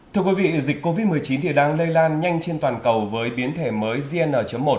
thưa quý vị dịch covid một mươi chín đang lây lan nhanh trên toàn cầu với biến thể mới gn một